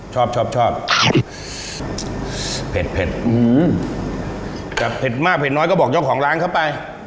ชอบชอบชอบเผ็ดเผ็ดอืมแต่เผ็ดมากเผ็ดน้อยก็บอกเจ้าของร้านเข้าไป